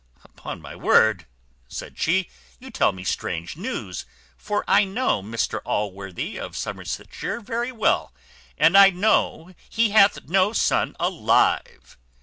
"Upon my word," said she, "you tell me strange news; for I know Mr Allworthy of Somersetshire very well, and I know he hath no son alive."